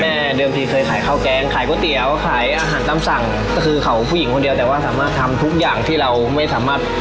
เดิมทีเคยขายข้าวแกงขายก๋วยเตี๋ยวขายอาหารตามสั่งก็คือเขาผู้หญิงคนเดียวแต่ว่าสามารถทำทุกอย่างที่เราไม่สามารถ